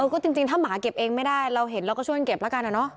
ก็จริงถ้าหมาเก็บเองไม่ได้เราเห็นเราก็ช่วยเก็บแล้วกันอะเนาะ